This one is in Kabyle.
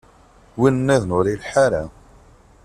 Win-nniḍen ur ileḥḥu ara.